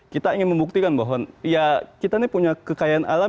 kita ingin membuktikan bahwa kita punya kekayaan alam